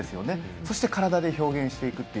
そして体で表現していくという。